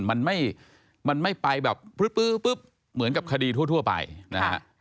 มันไม่ไปแบบปื้อเหมือนกับคดีทั่วไปนะฮะ